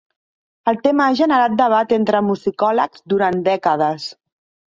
El tema ha generat debat entre musicòlegs durant dècades.